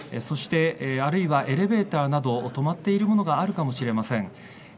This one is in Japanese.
あるいはエレベーターなど止まっているものがあるかもしれません。